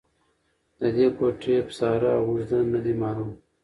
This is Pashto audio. د دې کوټې پساره او اږده نه دې معلوم